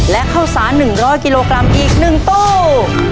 และข้าวสาร๑๐๐กิโลกรัมอีก๑ตู้